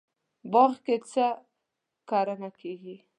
باغ کې څه کرنه کیږي؟